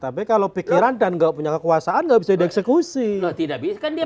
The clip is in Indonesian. tapi kalau pikiran dan gak punya kekuasaan gak bisa di eksekusi loh tidak bisa kan dia